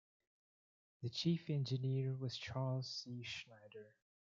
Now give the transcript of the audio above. The chief engineer was Charles C. Schneider.